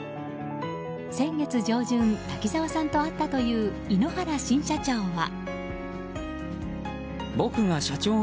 先月上旬、滝沢さんに会ったという井ノ原新社長は。